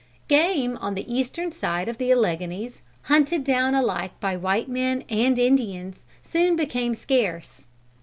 Game on the eastern side of the Alleghanies, hunted down alike by white men and Indians, soon became scarce.